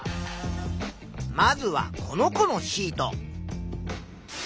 まずはこの子のシート。